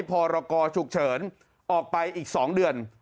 พรกรฉุกเฉินออกไปอีก๒เดือน